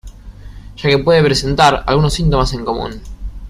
Ya que pueden presentar algunos síntomas en común.